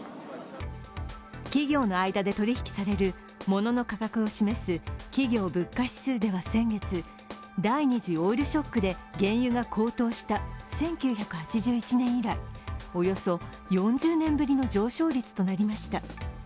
企業の間で取引されるものの価格を示す企業物価指数では先月第２次オイルショックで原油が高騰した１９８１年以来、およそ４０年ぶりの上昇率となりました。